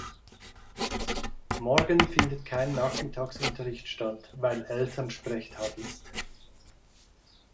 Morgen findet kein Nachmittagsunterricht statt, weil Elternsprechtag ist.